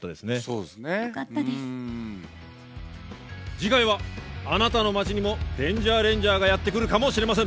次回はあなたの町にもデンジャーレンジャーがやって来るかもしれません。